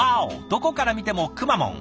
どこから見てもくまモン。